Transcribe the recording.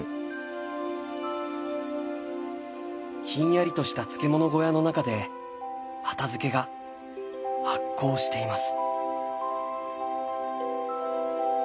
ひんやりとした漬物小屋の中で畑漬が発酵しています。